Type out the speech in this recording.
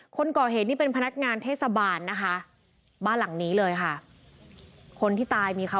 คนก่อเหตุนี้เป็นพนักงานเทศบาลนะคะบ้านหลังนี้เลยค่ะ